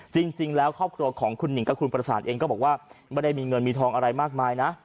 จริงแล้วครอบครัวของคุณหิงกับคุณประสานเองก็บอกว่าไม่ได้มีเงินมีทองอะไรมากมายนะ